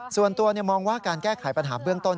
ส่วนตัวมองว่าการแก้ไขปัญหาเบื้องต้น